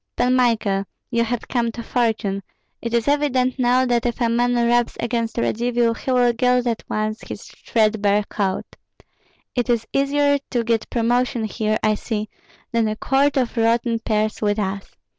Pan Michael, you have come to fortune. It is evident now that if a man rubs against Radzivill he will gild at once his threadbare coat. It is easier to get promotion here, I see, than a quart of rotten pears with us.